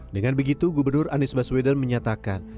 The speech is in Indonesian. dengan begitu gubernur anies baswedan menyatakan